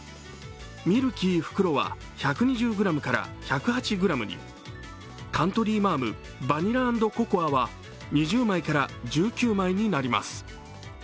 ミルキー袋は１２０ｇから１０８ｇに、カントリーマアムバニラ＆ココアは、２０枚から１９枚になります。